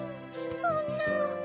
そんな。